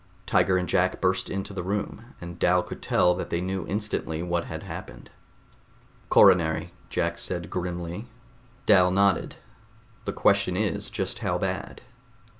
Tiger and Jack burst into the room, and Dal could tell that they knew instantly what had happened. "Coronary," Jack said grimly. Dal nodded. "The question is, just how bad."